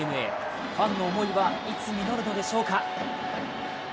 ファンの思いはいつ実るのでしょうか。